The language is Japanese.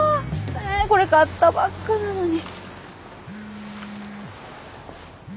えこれ買ったばっかなのに。